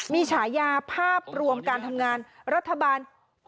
มีฉายาภาพรวมการทำงานรัฐบาล